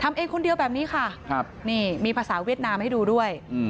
เองคนเดียวแบบนี้ค่ะนี่มีภาษาเวียดนามให้ดูด้วย